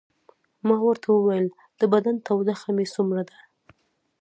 ما ورته وویل: د بدن تودوخه مې څومره ده؟